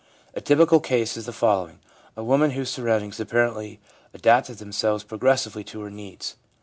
A typical case is the following, of a woman whose surroundings apparently adapted themselves progressively to her needs.